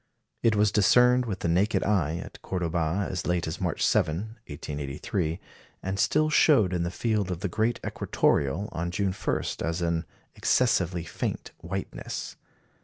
It was discerned with the naked eye at Cordoba as late as March 7, 1883, and still showed in the field of the great equatoreal on June 1 as an "excessively faint whiteness."